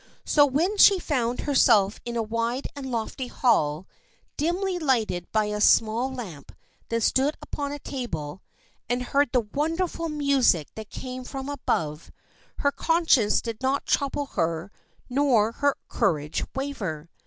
So, when she found herself in a wide and lofty hall, dimly lighted by a small lamp that stood upon a table, and heard the wonderful music that came from above, her conscience did not trouble her nor her courage waver.